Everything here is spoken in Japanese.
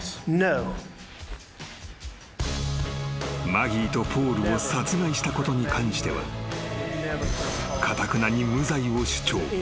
［マギーとポールを殺害したことに関してはかたくなに］